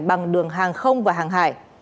bằng đường hàng không và hàng hải